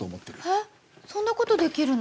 えっそんなことできるの？